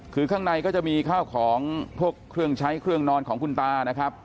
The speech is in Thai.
คือข้างในก็จะมีข้าวของพวกเครื่องใช้เครื่องนอนของคุณตานะครับ